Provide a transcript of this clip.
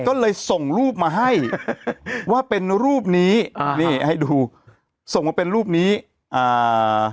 ก็เลยส่งรูปมาให้ว่าเป็นรูปนี้อ่านี่ให้ดูส่งมาเป็นรูปนี้อ่า